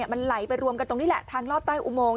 มันไหลไปรวมกันตรงนี้แหละทางลอดใต้อุโมง